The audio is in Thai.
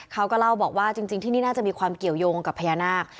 เขาก็เล่าบอกว่าจริงที่นี่น่าจะมีความเกี่ยวยงกับพญานาค